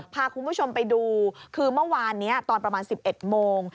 พาคุณผู้ชมไปดูคือเมื่อวานนี้ตอนประมาณ๑๑โมง